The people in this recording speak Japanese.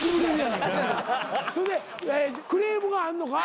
それでクレームがあんのか？